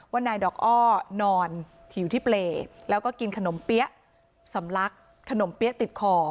นายดอกอ้อนอนถิวที่เปรย์แล้วก็กินขนมเปี๊ยะสำลักขนมเปี๊ยะติดคอ